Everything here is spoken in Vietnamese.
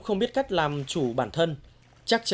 ông cha buồn sống